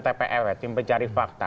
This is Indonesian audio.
tpew tim pencari fakta